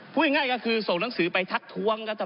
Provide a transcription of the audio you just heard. พูดง่ายครับก็คือส่งหนังสือไปทักทวง